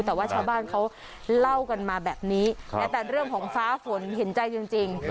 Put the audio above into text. แต่ว่าชาวบ้านเขาเล่ากันมาแบบนี้แม้แต่เรื่องของฟ้าฝนเห็นใจจริง